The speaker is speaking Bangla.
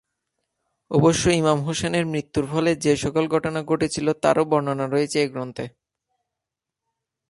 অবশ্য ইমাম হোসেনের মৃত্যুর ফলে যে সকল ঘটনা ঘটেছিল তারও বর্ণনা রয়েছে এ গ্রন্থে।